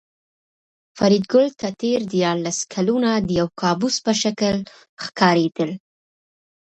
فریدګل ته تېر دیارلس کلونه د یو کابوس په شکل ښکارېدل